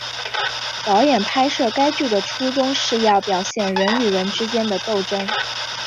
导演拍摄该剧的初衷是要表现人与人之间的斗争。